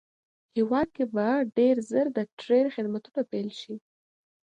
هېواد کې به ډېر زر د ټرېن خدمتونه پېل شي